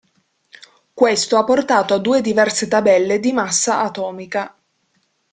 Questo ha portato a due diverse tabelle di massa atomica.